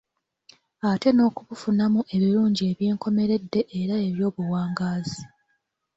Ate n'okubufunamu ebirungi eby'enkomeredde era eby'obuwangaazi.